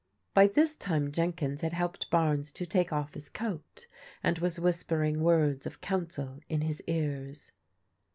By this time Jenkins had helped Barnes to take off his coat, and was whispering words of counsel in his ears.